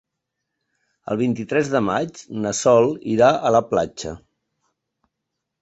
El vint-i-tres de maig na Sol irà a la platja.